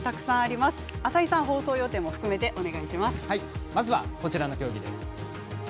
まずは、こちらの競技です。